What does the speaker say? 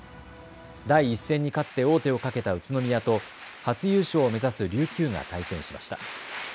第１戦に勝って王手をかけた宇都宮と初優勝を目指す琉球が対戦しました。